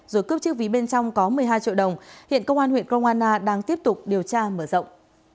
rồi cướp chiếc ví bên trong có một mươi hai triệu đồng hiện công an huyện kroana đang tiếp tục điều tra mở rộng